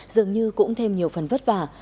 dường như cũng thêm nhiều phần vất vả